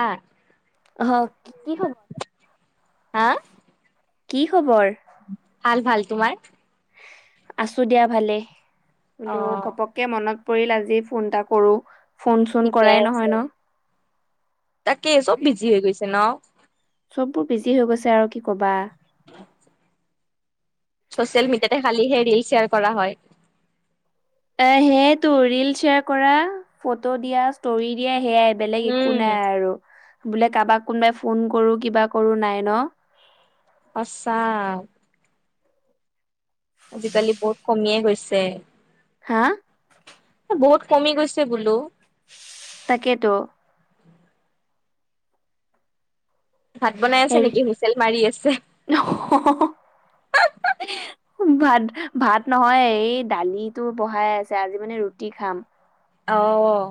হা অহ কি খবৰ? হা! কি খবৰ? ভাল, ভাল তোমাৰ? আছো দিয়া ভালে। অ বোলো ঘপককে মনত পৰিল আজি, ফোন এটা কৰোঁ, ফোন চোন ঠিকে কৰাই আছে নহয় ন'। তাকে চব বিজি হৈ গৈছে ন'? চববোৰ বিজি হৈ গৈছে আৰু কি কবা। চচিয়েল মিডিয়াতে খালিহে ৰীল শ্বেয়াৰ কৰা হয়। এ, সেইটো ৰীল শ্বেয়াৰ কৰা, ফটো দিয়া, ষ্টৰি দিয়া। সেইয়াই বেলেগ একো উম নাই আৰু। বোলে, কাৰোবাক কোনোবাই ফোন কৰোঁ, কিবা কৰোঁ নাই ন'। আচ্ছা! আজিকালি বহুত কমিয়ে গৈছে। হা! বহুত কমি গৈছে বোলো। তাকেতো। ভাত বনাই আছে হেৰি নেকি হুইচেল মাৰি আছে [unintelligible] ভাত, ভাত নহয়। এই দালিতো বহাই আছে। আজি মানে, ৰুটি খাম। অ'!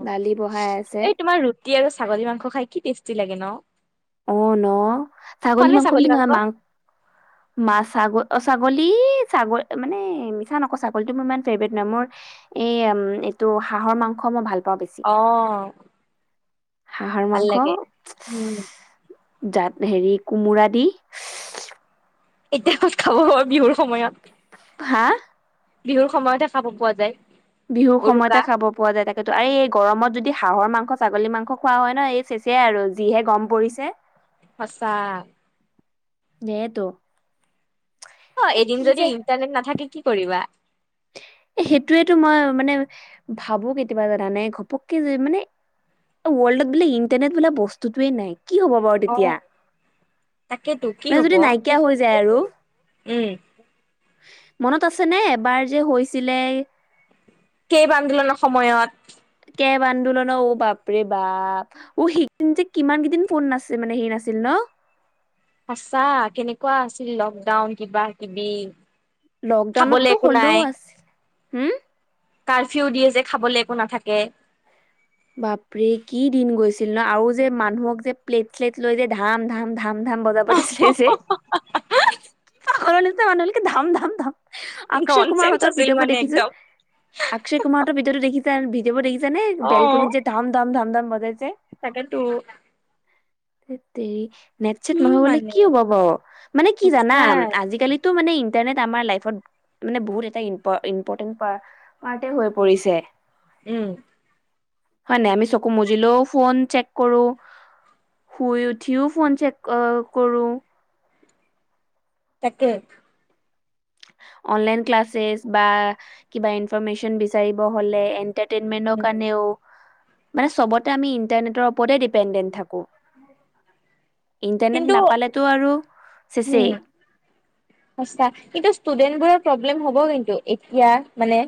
দালি বহাই আছে এই তোমাৰ ৰুটি আৰু ছাগলী মাংস খায় কি টেষ্টি লাগে ন'। অ'! ন', ছাগলী মাংস বুলি নহয়, মাংস মা ছাগ অ'! ছাগলী, ছাগলী মানে, মিছা নকৌ। ছাগলীটো মোৰ ইমান ফেভৰেট নহয়। মোৰ এই এইটো হাঁহৰ মাংস মই ভাল পাওঁ বেছি অ'! হাঁহৰ ভাল মাংস লাগে। উম! জাত হেৰি, কোমোৰা দি। এতিয়া [unintelligible] খাব বিহুৰ সময়ত। হা! বিহুৰ সময়তে খাব পোৱা যায়। বিহুৰ উৰুকা সময়তে খাব পোৱা যায়। তাকেতো আৰু এই গৰমত যদি হাঁহৰ মাংস, ছাগলী মাংস, খোৱা হয় ন'। এই চেচেআই আৰু যিহে গৰম পৰিছে। হচা [unintelligible] দে এইটো? অ'! এদিন যদি ইণ্টাৰনেট নাথাকে, কি কৰিবা? এ, সেইটৱেতো মই মানে, ভাবোঁ কেতিয়াবা জানানে। ঘপককে‌ যে মানে ৱৰ্ল্ডত বোলে ইন্টাৰনেট বো বস্তুটোৱে নাই কি হ'ব বাৰু অ তেতিয়া তাকেতো কি [unintelligible] মানে হ'ব? যদি নাইকিয়া হৈ যায় আৰু। উম, মনত আছেনে এবাৰ যে হৈছিলে। কেইব আন্দোলনৰ সময়ত। কেব আন্দোলন অঁ বাপৰে বাপ। অঁ সেই দিন যে কিমান কেইদিন ফোন নাছে মানে হেই নাছিল ন? [inaudible] আছা কেনেকুৱা আছিল লকডাউন কিবা কিবি খাবলে লকডাউনতটো একো হ'লেও নাই আছিল হম কাৰফিউ দিয়ে যে খাবলৈ একো নাথাকে বাপৰে কি দিন গৈছিল ন আৰু যে মানুহক যে প্লেট চ্লেট লৈ যে ধাম ধাম ধ ধাম ধাম বজাব দি চাই যে পৰ নিচনা মানুহলৈকে ধাম ধাম ধাম অক্ষয় নন কুমাৰ চেন্স হঁতৰ আছিল ভিডিঅ' মানে দেখিছো একদম। অক্ষয় কুাৰঁতৰ ভিঅ' দেখিছে ভিঅ বো দেখিছো জানে বেলকনি যে ধাম ধাম ধাম ধাম বজাইছে তাক তো সেইট তেৰি নেট চেট নহ'বলে মানে কি হ'ব ব মানে কি জানা সঁচাই আজিকালিতটো মানে তেনে আমাৰ লাইফত মানে বহুত এটা ইম্পৰ্টেণ্ট মাতে হৈ উম, পৰিছে উম, হয় নাই আমি চকু মুজিলোও ফোন চেক কৰো শুই উঠিও ফোন চেক কৰো তাকে অনলাইন কালচ বা কিবা ইনফন বিচ হ ইন্টাৰনেটত উম, কাৰণ মানে চবতে আমি ইন্টাৰনেটৰ ওপৰতে ডিপেণ্ডেণ্ট থাকো। ইন্টাৰনেট কিন্তু নাপালেতো আৰু উম, চেছেই। ষ্টুডেন্টবোৰৰ প্ৰব্লেম হ'ব কিন্তু এতিয়া মানে।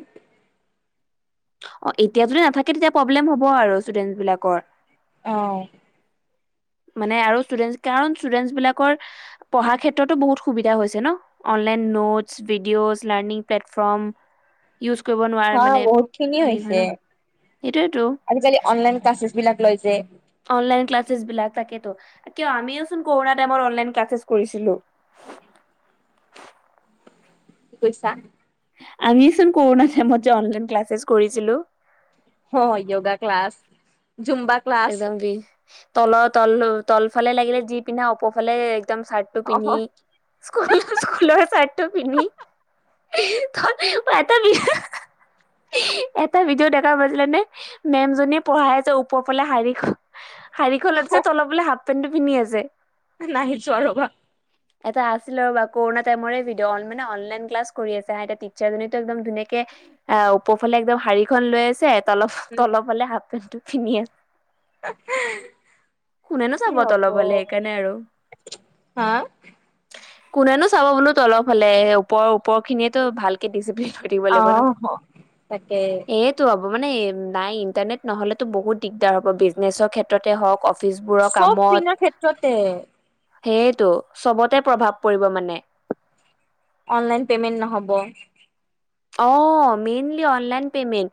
অঁ এতিয়া যদি নাথাকে তেতিয়া প্ৰব্লেম হ'ব আৰু ষ্টুডেন্ট বিলাকৰ। অঁ। মানে আৰু ষ্টুডেন্ট কাৰ ষ্টুডেন্টছ বিলাকৰ পঢ়াৰ ক্ষেত্ৰতো বহুত সুবিধা হৈছে ন। Online notes videos learning platform. Use কৰিব নোৱাৰ হা মানে বহুত খিনি হেৰি হয় হৈছে। ন। সেইটোয়েতো আজিকালি অনলাইন ক্লাছেছ বিলাক লৈছে। অনলাইন ক্লাছ বিলাক তাকে। কিয় আমিওচোন কৰা টাইম অনলাইন ক্লাছ কৰিছিলো। [unintelligible] কি কৈছা? আমিচোন কৰোণা টাইমত যে অনলাইন ক্লাছেছ কৰিছিলো। অঁ য়গা ক্লাছ। জুম্বা ক্লাছ একদম বি তল তল তলফালে লাগিলে যি পিন্ধা অপৰফালে একদম চাৰ্টো অ পিন্ধি স্কুলৰ স্কুল চাৰ্টো পিন্ধি। তই হাঁ হাঁ [unintelligible] এটা ভিডিঅ' দেখা মাজিলে নে মেম জনীয়ে পঢ়াই আছে ওপৰ ফালে শাৰী শাৰীখনত যে তলৰ ফালে হাফ পেন্ট টো পিন্ধি আছে নাই চোৱা ৰবা। এটা আছিলে ৰবা কৰোনা টাইমৰে ভিডিঅ, মানে অনলাইন ক্লাছ কৰি আছে এ টিচাৰ জনী টো একদম ধুনীয়াকে ওপৰফালে একদম শাৰী খন লৈ আছে তল উম তলপ হালে হাফ পেণ্টটো পিন্ধি আছে। কোনেনো চাব তল ফালে সেইকাৰণে আৰু। হাঁ? কোনেনো চাব বোলো তলৰ ফালে ওপৰৰ ওপৰ খিনিয়ে তো ভালকে দি থৈ দিব লাগিব অহ তাকে নহ এই টো মানে নাই ইণ্টাৰনেট নহ'লেতো বহুত দিগদাৰ হ'ব বিজনেছৰ ক্ষেত্ৰতে হওঁক। অফিচবোৰৰ চব কামত। পিনৰ ক্ষেত্ৰতে সেইটো চবতে প্ৰভাৱ পৰিব মানে। অনলাইন পেমেণ্ট নহব। অ মেইনলি অনলাইন পেমেন্ট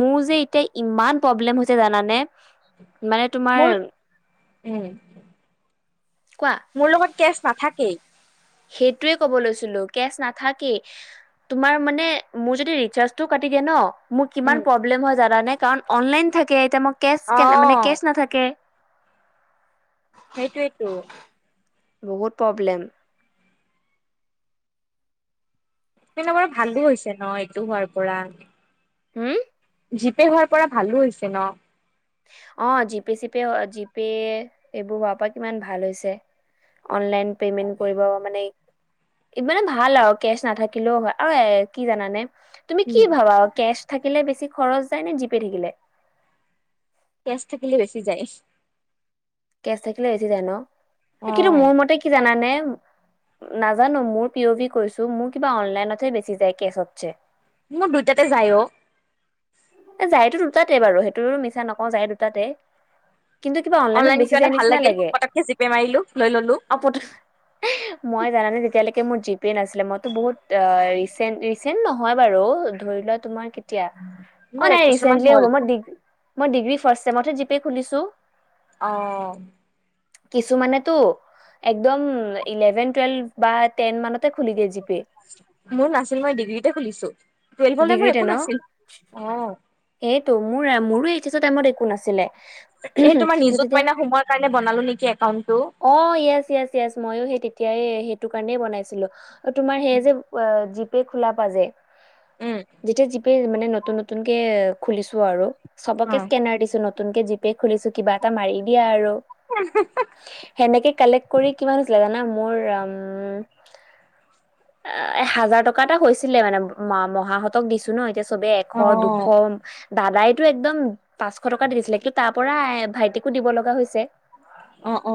মোৰ যে এতিয়া ইমান প্ৰব্লেম হৈছে জানানে। মানে তোমাৰ মোৰ উম। কোৱা মোৰ লগত কেচ নাথাকেই। সেইটোয়ে কব লৈছিলো কেচ নাথাকেই। তোমাৰ মানে মোৰ যদি ৰিচাৰ্জটো কাটি তিকে ন। মোৰ কিমান উম প্ৰব্লেম হয় জানানে, কাৰণ অনলাইন থাকে এতিয়া কেচ অ এতিয়া কেচ নাথাকে। সেইটোৱেই তো। বহুত প্ৰব্লেম। ন বাৰু ভালো হৈছে ন এইটো হোৱাৰ পৰা। হম? জিপে হোৱাৰ পৰা ভালো হৈছে ন? অ জিপে চিপে জিপে এইবোৰ হোৱাৰ পৰা কিমান ভাল হৈছে। অনলাইন পেমেন্ট কৰিব মানে। মানে ভাল আৰু কেচ নাথাকিলেওঁ হয়। আৰু এ কি জানানে? তুমি উম কি ভাবা কেচ থাকিলে বেছি খৰচ যায় নে জিপে থাকিলে? কেচ থাকিলে বেছি যায়। কেচ থাকিলে বেছি জাই ন, অ কিন্তু মোৰ মতে কি জানানে। নাজানো মোৰ পিয়ভি কৈছোঁ মোৰ কিবা অনলাইনতহে বেছি যায় কেচতছে। মু দুইটাতে যাই অ। যাইতো দুটাতে বাৰু সেইটো মিছা নকওঁ যাই দুটাতে। কিন্তু কিবা অনলাইনত অনলাইন বেছি কিবা এটা যায় ভাল নিচিনা লাগিল লাগে পতককে জিপে মাৰিলো লৈ ললো অপ। মই জানানে যেতিয়ালৈকে। মোৰ জিপে নাছিলে মই বহুত এ ৰিচেন্ট ৰিচেণ্ট নহয় বাৰু ধৰি লোৱা তোমাৰ। এতিয়া অ মোৰ এক নহয় বছৰ মান ৰিচেন্টলি হ'ল হ'ব মই মই ডিগ্ৰী ফাৰ্ষ্ট ছেমত হে জিপে খুলিছোঁ অ। কিছুমানেতো একদম ইলেভেন টুৱেলভ বা টেন মানত। মোৰ নাছিল মই ডিগ্ৰীতে খুলিছোঁ। টুএলভ লৈ মোৰ একো নাছিল অ। [unintelligible] এইটো মোৰ মোৰো এইটো টাইমত একো নাছিলে। এই তোমাৰ নিজুত তেতিয়া মইনা সমোয়ৰ কাৰণে বনালো নেকি একাউন্ট টো। অ য়েছ য়েছ য়েছ মইয়ো সেইটো। তেতিয়াই সেইটো কাৰণ বনাইছিলোঁ তোমাৰ সেইয়ে যে জিপে খোলাৰ পৰা যে। উম যেতিয়া জি পে মানে নতুন নতুনকে খুলিছোঁ আৰু। অ চবকে স্কেনাৰ দিছোঁ নতুনকে জিপে খুলিছোঁ কিবা এটা মাৰি দিয়া আৰু। সেনেকে কালেক্ট কৰি কিমান হৈছিলে জানা। মোৰ উম। এ হাজাৰ টকা এটা হৈছিলে মানে মা মহাহঁতক দিছোঁ ন। চবে অ এশ দুশ। দাদাইতো একদম পাঁচশ টকা দি দিছিলে কিন্তু তাৰ পৰা ভাইটিকো দিব লগা হৈছে। অ অ।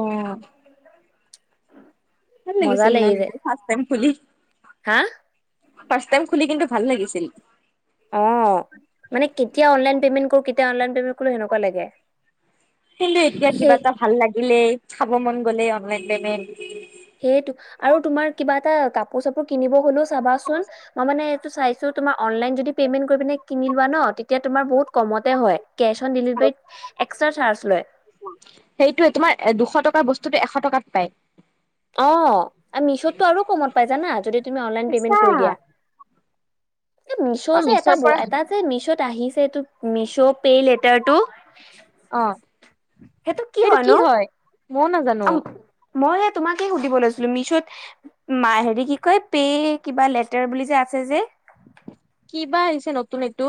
ভাল মজা লাগিছিল লাগি যায় ফাৰ্ষ্ট টাইম খুলি। হা। ফাৰ্ষ্ট টাইম খুলি কিন্তু ভাল লাগিছিল। অ মানে কেতিয়া অনলাইন পেমেন্ট কৰো কেতিয়া অনলাইন পেমেণ্ট কৰোঁ সেনেকুৱা লাগে। কিন্তু এতিয়া কিবা সেই এটা ভাল লাগিলে খাব মন গলে অনলাইন পেমেন্ট। সেইটো আৰু তোমাৰ কিবা এটা কাপোৰ চাপোৰ কিনিব হলেও চাবাচোন মই মানে চো তুমাৰ অনলাইন যদি পেমেন্ন কৰিপিনি কিনি লোৱা ন তেতিয়া তুমাৰ বহুত কমতে হয় কেচ অন ডেলিভাৰীত এক্সট্ৰা চাৰ্জ লয় সেইটোয়ে তোমাৰ এ দুশ টকাৰ বস্তুতো এশ টকাত পায় অ মিছটো আৰু কমত পাই যানা যদি তুমি অনলাইন সঁচা পেমেন্ট কৰি দিয়া। এই মিছ' অ যে এটা মিছৰ পৰা এটা যে মিছ'ত আহিছে এইটো মিছ' পে লেটাৰটো অ সেইটো কি হয়নো [unintelligible] মই নাজানো মই তোমাকে সুধিব লৈছিলো মিছত হেৰি কি কয় পে কিবা লেটাৰ বুলি যে আছে যে কিবা আহিছে নতুন এইটো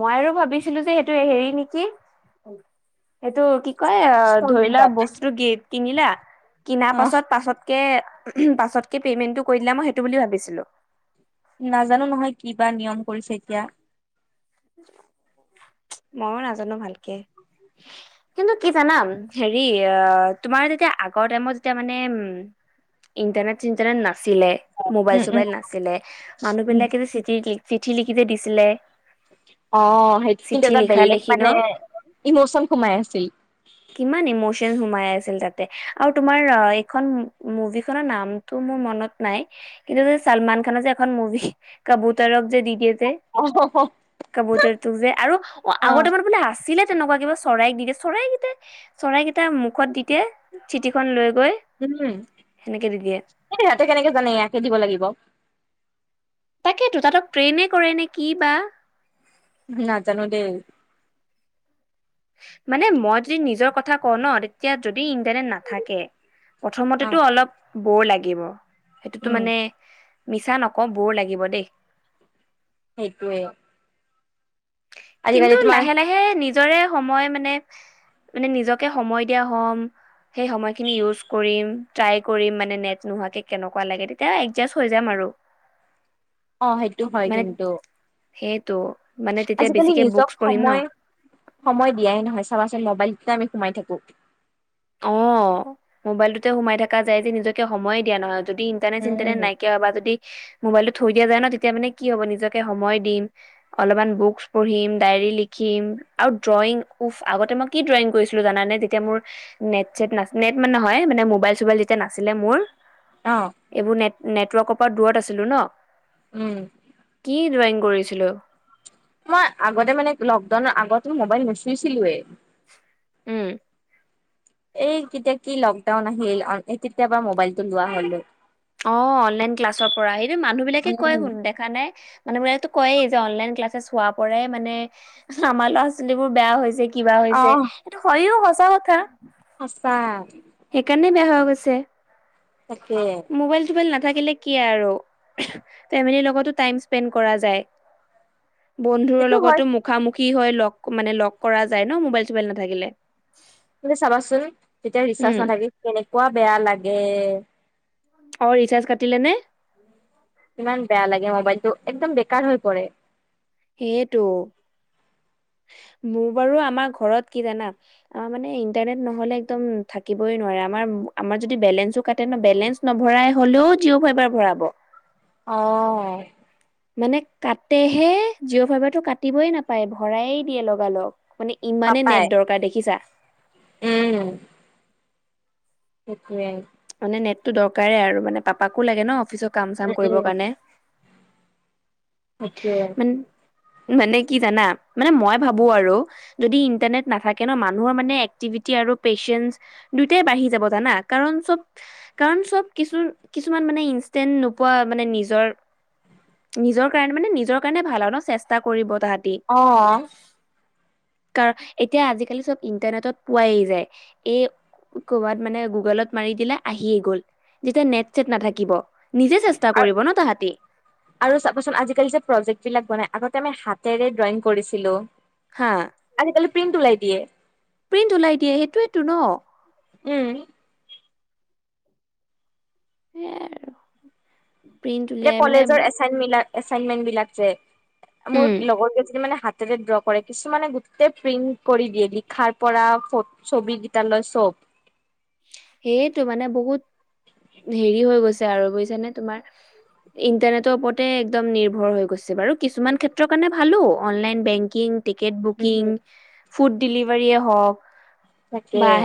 মই আৰু ভাবিছিলো যে সেইটো হেৰি নেকি সেইটো কি কয় ধৰি লোৱা ইনষ্টলমেন্টত বস্তু কিনিলা অ কনাৰ পাছত পাছতকে পাছতকে পেমেন্টটো কৰি দিলা মই সেইটো বুলি ভাবিছিলো নাজানো নহয় কি বা নিয়ম কৰিছে এতিয়া ময়ো নাজানো ভালকে কিন্তু কি জানাম হেৰি আহ তোমাৰ যেতিয়া আগৰ টাইমত যেতিয়া মানে উম ইণ্টাৰনেট চিণ্টাৰনেট নাছিলে মোবাইল উম উম চবাইল নাছিলে মানুহ উম বিলাকে চিঠিত চিঠি লিখি যে দিছিলে অ সেইটো কিন্তু চিঠি এটা লিখা বেলেগ লিখি ন মানে ইমৌচন কোমাই আছিল কিমান ইম'চন সোমাই তাতে আৰু তোমাৰ আ এইখন মুভি খন নামটো মোৰ মনত নাই কিন্তু ছালমান খানৰ যে এখন মুভি কাবুতাৰক যে দি দিয়ে অ কাপোতাৰ টো যে আৰু অ আগতে মান বোলে আছে ছিলে তেনেকুৱা কিবা চৰাইক দিয়ে চৰাইকেইট চৰাইকেইটা মুখত দিয়ে চিঠি খখন মখুত লৈ গৈ উম সেনেকে দি দিয়ে এই ইহতে কেনেকে জানে ইয়াকে দিব লাগিব তাকেটো তাতক প্ৰট্ৰেইনে কৰে নে কি বা উম নাজানো দেই মানে মই যদি নিজৰ কথা কওঁ ন তেতিয়া যদি ইণ্টাৰনেট নাথাকে অ প্ৰথমতেতো অলপ বৰ লাগিব সেইটোতো উম মানে মিছা নকওঁ বোৰ লাগিব দেই সেইটোৱে কিন্তু লাহে লাহে নিজৰে সময় মানে মানে নিজকে সময় দিয়া হ'ম সেই সময় খিনি ইউশ কৰিম থ্ৰাই কৰিম মানে নেত নোহোৱাকে তেতিয়া একজাসহয় যাম আৰু [inaudible] অ সেইটো হয় মানে কিন্তু সেইটো মানে তেতিয়া বেছি আজিকালি নিজক সময় সময় দিয়াই নহয় চাবা চোন মবাইলটো আমি সোমাই থাকো অ মোবাইলটোতে সোমাই থকা যায় যে নিজকে সময়ে দিয়া নহয়। যদি ইণ্টাৰনেট চিন্তৰ্নেট উম নাইকীয়া হয় বা যদি [unintelligible] মবাইল থৈ দিয়া যায় ন তেতিয়া মানে কি হ'ব নিজে সময় দিম অলপমান বুকচ পঢ়িম ডা ৰি লিখিম আৰু ড্ৰইগ উফ আগতে মই কি ড্ৰইগ কৰিছিলো জানানে তেতিয়া মোৰ নেট চেট ন নেট মানে নহয় মানে মোবাইল চোবাইল যেতিয়া নাছিলে মোৰ অ এইবোৰ নেট নেটৱৰ্কৰ পৰা দূৰত আছিলো ন উম কি ড্ৰয়িং কৰিছিলো মই আগতে মানে লকডাউনৰ আগত মোবাইল নুচুইছিলোৱে উম এই কেতিয়া কি লকডাউন আহিল কেতিয়াবা মবাইলটো লোৱা হলো অ অনলাইন ক্লাছৰ পৰা সটো মানুহ বিলাকে কয় উম, শুন দেখা নাই মানুহ বিলাকো কয়েই অন লাইন ক্লাছ হোৱা পৰাই মানে আমাৰ ল'ৰা ছোৱালী বোৰ বেয়া হৈছে কিবা হৈছে এইটো হয়ও সঁচা কথা আচ্ছা সেইকাৰণে বেয়া হৈ গৈছে তাকে মোবাইল চোবাইল ন আৰু লগত টাই স্পে কৰা বন্ধুৰ সেইটো হয় লগতো মুখামুখি হয় লগ মানে লগ কৰা যায় ন মোবাইল চোবাইল নাথাকিলে কিন্ত চাবাচোন তেতিয়া ৰিচাৰ উম নথাকে কেনেকুৱা বেয়া লাগে অ ৰিচাৰ্জ কাটিলে নে ইমান বেয়া লাগে মোবাইলটো একদম বেকাৰ হৈ পৰে সেইটো হয় মোৰ বাৰু আমাৰ ঘৰত কি জানা আমাৰ মানে ইন্টাৰনেট নহলে একদম থাকিবই নোৱাৰে আমাৰ আমাৰ যদি বেলেঞ্চো কাটে ন বেলেঞ্চ ন ভৰাই হলেও জিঅ' ফাইবাৰ ভৰাব অ মানে কাটেহে জিঅ' ফাইবাৰটো কাটিবই নাপায় ভৰাইয়ে দিয়ে লগালগ মানে ইমানে পাপাই নেট দৰকাৰ দেখিছা উম সেইটোৱে মানে নেটটো দৰকাৰে আৰু মানে পাপাকো লাগে ন অফিচত কাম চাম উম, কৰিবৰ কাৰণে অকে মানে মানে কি জানা মানে মই ভাবো আৰু যদি ইণ্টাৰনেট নাথাকে ন মানুহৰ মানে এক্টিভিটি আৰু পেচেঞ্চ দুইটাই বাঢ়ি যাব জানা কাৰণ কাৰণ চব কিছু কিছুমান মানে ইনন্ট নোপোৱা মানে নিজৰ নিজৰ কাৰণে মানে নিজৰ কাৰণে ভাল আৰু ন চেষ্টা কৰিব। তাহাঁতি অ কাৰ এতিয়া আজিকালি চব ইণ্টাৰনেটত পোৱাই যায় এই কৰ'বাত মানে গুগলত মাৰি দিলে আহিয়ে গ'ল যেতিয়া নেট চেট নাথাকিব নিজে চেষ্টা আৰু কৰিব ন তাহাঁতি প্ৰজেক বিলাক বনাই আগতে আমি হাতেৰে ড্ৰয়িং কৰিছিলো হা প্ৰিণ্ট ওলাই দিয়ে। প্ৰিন্ট ওলাই দিয়ে সেইটোৱেতো ন উম সেই আৰু প্ৰিন্ট এ উলিয়াই মানে কলেজৰ এছাইন এছাইনমেণ্ট বিলাক যে উম মোৰ লগৰ কেইজনী মান তে ড্ৰ কৰে কিছুমানে গোটেই প্ৰিন্ট কৰি দিয়ে লিখাৰ পৰা ছবি কেইটা লয় চব সেইটো মানে বহুত হেৰি হৈ গৈছে আৰু বুজছানে তোমাৰ ইণ্টাৰনেটৰ ওপৰতে একদম নিৰ্ভৰ হৈ গৈছে বাৰু কিছুমান ক্ষেত্ৰৰ কাৰণে ভালো অনলাইন বেংকিং টিকেট উম। বুকিং ফুড ডেলিভাৰ হওক বা তাকে